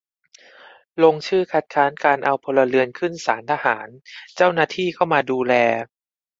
ลงชื่อคัดค้านการเอาพลเรือนขึ้นศาลทหาร เจ้าหน้าที่เข้ามาดูแล